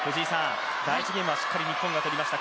第１ゲームはしっかり日本が取りました。